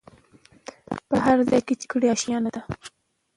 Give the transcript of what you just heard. په هرځای کي چي مي کړې آشیانه ده